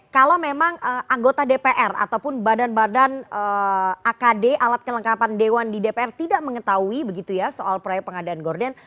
kalau memang anggota dpr ataupun badan badan akd alat kelengkapan dewan di dpr tidak mengetahui begitu ya soal proyek pengadaan gorden